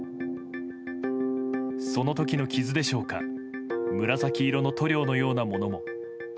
その時の傷でしょうか紫色の塗料のようなものも。